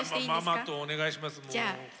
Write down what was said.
ママとお願いします。